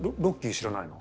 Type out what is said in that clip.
知らないの？